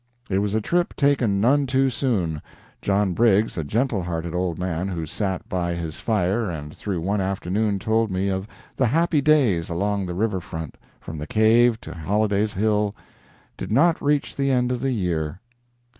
It was a trip taken none too soon. John Briggs, a gentle hearted old man who sat by his fire and through one afternoon told me of the happy days along the river front from the cave to Holliday's Hill, did not reach the end of the year.